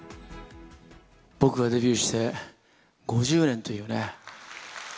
僕がデビューして５０年というね。